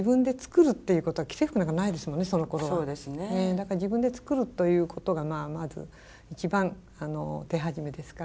だから自分で作るということがまず一番手始めですから。